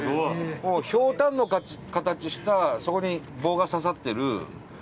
ひょうたんの形したそこに棒が刺さってる。